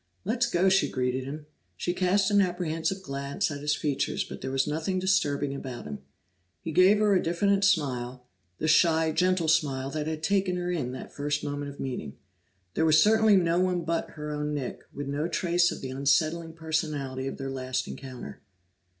"Let's go!" she greeted him. She cast an apprehensive glance at his features, but there was nothing disturbing about him. He gave her a diffident smile, the shy, gentle smile that had taken her in that first moment of meeting. This was certainly no one but her own Nick, with no trace of the unsettling personality of their last encounter.